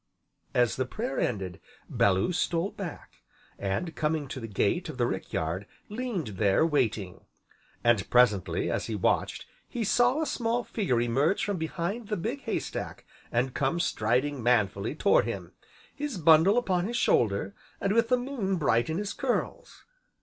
As the prayer ended Bellew stole back, and coming to the gate of the rick yard, leaned there waiting. And, presently, as he watched, he saw a small figure emerge from behind the big hay stack and come striding manfully toward him, his bundle upon his shoulder, and with the moon bright in his curls.